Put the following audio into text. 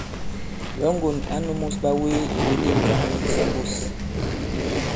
Lɔ̌ŋgòn ǎ nūmus ɓawee ìwu di ŋ̀ka mu yiksa mbus.